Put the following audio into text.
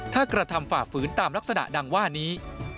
ถ้ากระทำฝ่าฝืนตามลักษณะดังว่านี้